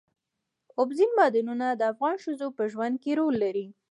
اوبزین معدنونه د افغان ښځو په ژوند کې رول لري.